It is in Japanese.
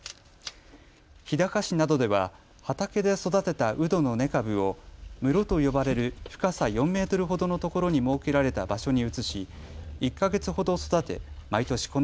日高市などでは畑で育てたうどの根株を室と呼ばれる深さ４メートルほどのところに設けられた場所に移し１か月ほど育て毎年